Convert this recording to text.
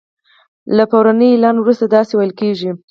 له پروني اعلان وروسته داسی ویل کیږي